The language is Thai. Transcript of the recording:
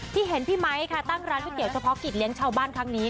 เห็นพี่ไมค์ค่ะตั้งร้านก๋วเฉพาะกิจเลี้ยงชาวบ้านครั้งนี้